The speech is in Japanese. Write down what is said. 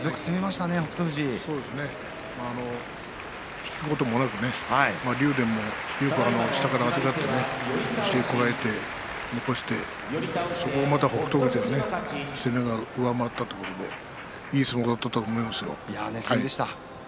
引くこともなく竜電もよく下からあてがってこらえて残してそこをまた北勝富士の攻めが上回ったということでいい相撲だったと思いますよ。